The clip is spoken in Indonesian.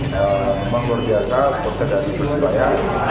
memang luar biasa seperti tadi percaya